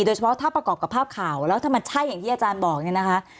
โดยเฉพาะถ้าประกอบกับภาพข่าวแล้วถ้ามันใช่อย่างที่อาจารย์บอกเนี่ยนะคะ